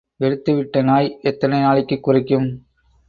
எடுத்து விட்ட நாய் எத்தனை நாளைக்குக் குரைக்கும்?